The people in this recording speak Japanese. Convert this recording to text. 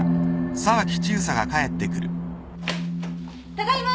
ただいま。